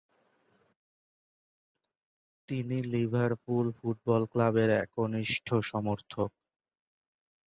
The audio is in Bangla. তিনি লিভারপুল ফুটবল ক্লাবের একনিষ্ঠ সমর্থক।